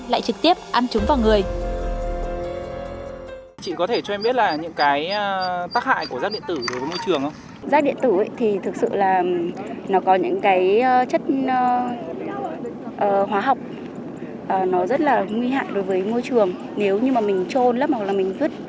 lại trực tiếp ăn chúng vào người